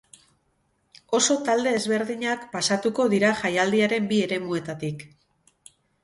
Oso talde ezberdinak pasatuko dira jaialdiaren bi eremuetatik.